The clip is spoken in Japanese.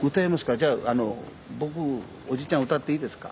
じゃああの僕おじちゃん歌っていいですか？